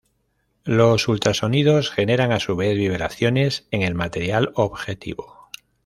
Los ultrasonidos generan, a su vez, vibraciones en el material objetivo.